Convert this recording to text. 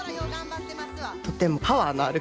とてもパワーのある感じ。